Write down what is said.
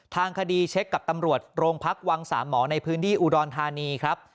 ทางคดีเช็คกับตำรวจโรงพักวังสามหมอในพื้นที่อุดรธานีครับ